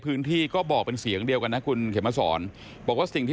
คือแค่รูปเรามาติดแค่นั้นเองแต่ว่าหมาตัวนี้อาจจะไม่โดนทำร้ายก็ได้